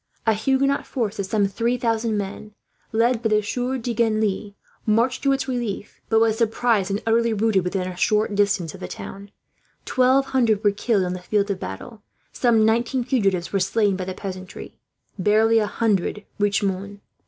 A Huguenot force of some three thousand men, led by the Sieur de Genlis, marched to its relief; but was surprised, and utterly routed, within a short distance of the town 1200 were killed on the field of battle, some 1900 fugitives were slain by the peasantry, barely a hundred reached Mons.